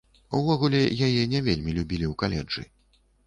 Увогуле, яе не вельмі любілі ў каледжы.